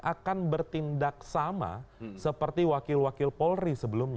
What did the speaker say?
akan bertindak sama seperti wakil wakil polri sebelumnya